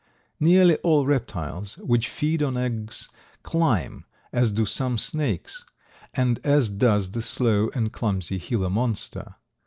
Nearly all reptiles which feed on eggs climb, as do some snakes, and as does the slow and clumsy Gila Monster.